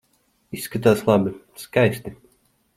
Izskatāties labi, skaisti.